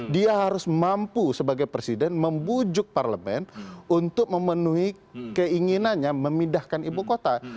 dia harus mampu sebagai presiden membujuk parlemen untuk memenuhi keinginannya memindahkan ibu kota